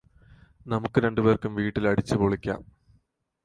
നമുക്ക് രണ്ടുപേർക്കും വീട്ടിൽ അടിച്ചുപൊളിക്കാം